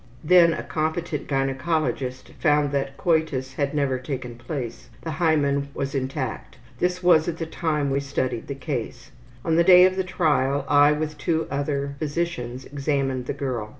Then a competent gynecologist found that coitus had never taken place. The hymen was intact. This was at the time we studied the case. On the day of the trial, I with two other physicians examined the girl.